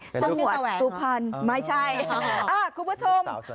เป็นลูกสาวตาแหวงหรอเป็นลูกสาวตาแหวงหรอไม่ใช่คุณผู้ชม